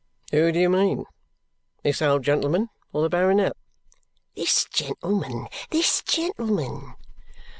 "Who do you mean? This old gentleman, or the Baronet?" "This gentleman, this gentleman."